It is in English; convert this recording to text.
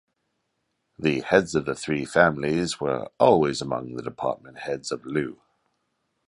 The heads of the three families were always among the department heads of Lu.